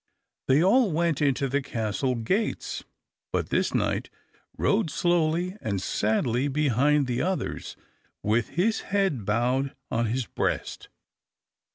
They all went into the castle gates; but this knight rode slowly and sadly behind the others, with his head bowed on his breast.